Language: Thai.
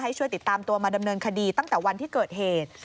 ช่วยติดตามตัวมาดำเนินคดีตั้งแต่วันที่เกิดเหตุ